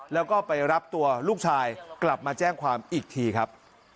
แล้วก็ไปรับตัวลูกชายกลับมาแจ้งความอีกทีครับ